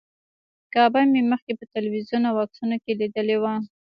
کعبه مې مخکې په تلویزیون او عکسونو کې لیدلې وه.